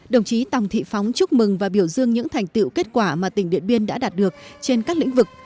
đồng chí tòng thị phóng chúc mừng và biểu dương những thành tựu kết quả mà tỉnh điện biên đã đạt được trên các lĩnh vực